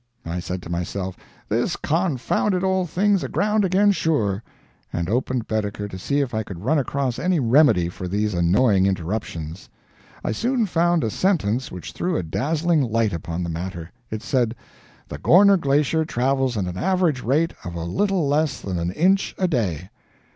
I said to myself, "This confounded old thing's aground again, sure," and opened Baedeker to see if I could run across any remedy for these annoying interruptions. I soon found a sentence which threw a dazzling light upon the matter. It said, "The Gorner Glacier travels at an average rate of a little less than an inch a day."